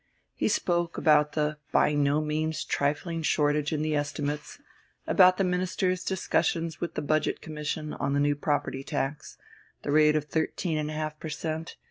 He spoke about the "by no means trifling" shortage in the estimates, about the Minister's discussions with the Budget Commission, the new property tax, the rate of 13½ per cent.